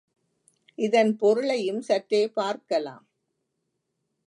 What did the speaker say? இதன் பொருளையும் சற்றே பார்க்கலாம்.